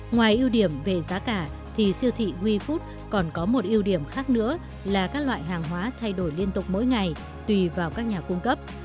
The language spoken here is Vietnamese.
ngoài ưu điểm về giá cả thì siêu thị we food còn có một ưu điểm khác nữa là các loại hàng hóa thay đổi liên tục mỗi ngày tùy vào các nhà cung cấp